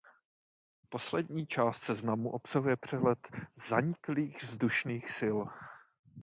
Poslední část seznamu obsahuje přehled zaniklých vzdušných sil.